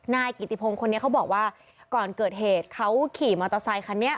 นายกิติพงศ์คนนี้เขาบอกว่าก่อนเกิดเหตุเขาขี่มอเตอร์ไซคันนี้